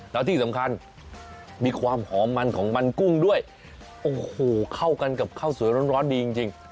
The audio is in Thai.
แล้วที่สำคัญมีความหอมมันของมันกุ้งด้วยโอ้โหเข้ากันกับข้าวสวยร้อนดีจริง